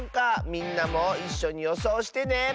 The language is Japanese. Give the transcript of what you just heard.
みんなもいっしょによそうしてね！